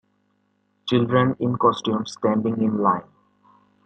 Children in costumes standing in line.